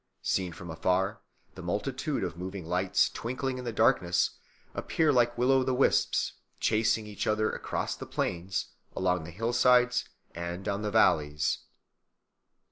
Seen from afar, the multitude of moving lights, twinkling in the darkness, appear like will o' the wisps chasing each other across the plains, along the hillsides, and down the valleys.